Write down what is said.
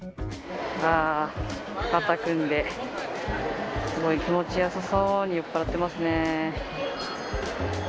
あー、肩組んで、すごい気持ちよさそうに酔っぱらってますね。